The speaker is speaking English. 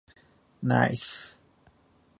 Nice.